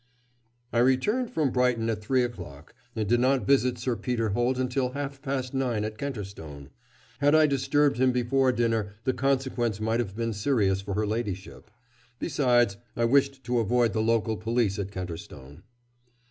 "I returned from Brighton at three o'clock, and did not visit Sir Peter Holt until half past nine at Kenterstone. Had I disturbed him before dinner the consequence might have been serious for her ladyship. Besides, I wished to avoid the local police at Kenterstone."